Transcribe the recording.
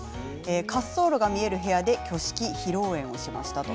滑走路が見える部屋で挙式、披露宴をしました。